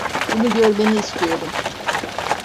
Bunu görmeni istiyorum.